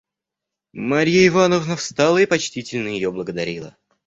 Марья Ивановна встала и почтительно ее благодарила.